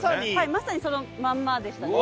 まさにそのまんまでしたね。